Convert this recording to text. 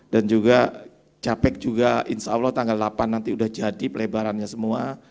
dan juga capek juga insyaallah tanggal delapan nanti sudah jadi pelebarannya semua